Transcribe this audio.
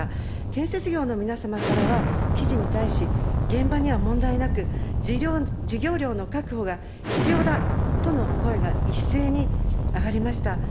建設業の皆様からは、記事に対し、現場には問題なく事業量の確保が必要だとの声が一斉に上がりました。